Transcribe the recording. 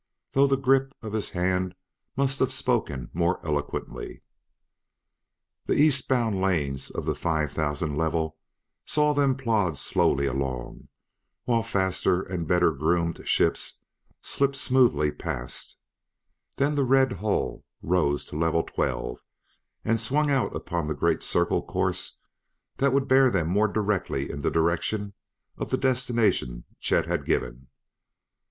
though the grip of his hand must have spoken more eloquently. The eastbound lanes of the five thousand level saw them plod slowly along, while faster and better groomed ships slipped smoothly past; then the red hull rose to Level Twelve and swung out upon the great circle course that would bear them more nearly in the direction of the destination Chet had given.